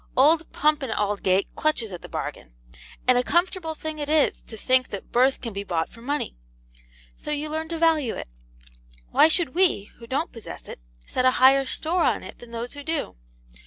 Old Pump and Aldgate clutches at the bargain. And a comfortable thing it is to think that birth can be bought for money. So you learn to value it. Why should we, who don't possess it, set a higher store on it than those who do?